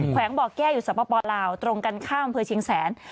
วงบ่อแก้อยู่สปลาวตรงกันข้ามอำเภอเชียงแสน